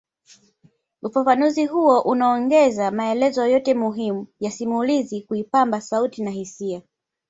Ufafanuzi huo unaongeza maelezo yote muhimu ya simulizi kuipamba sauti na hisia